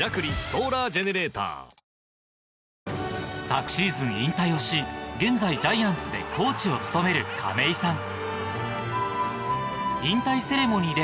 昨シーズン引退をし現在ジャイアンツでコーチを務める亀井さん。